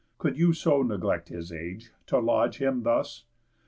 Could you so neglect His age, to lodge him thus?